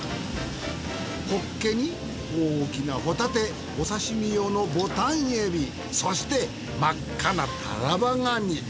ホッケに大きなホタテお刺身用のボタンエビそして真っ赤なタラバガニ。